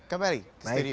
kembali ke studio